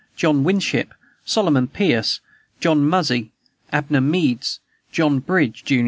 John Winship, Solomon Pierce, John Muzzy, Abner Meeds, John Bridge, jun.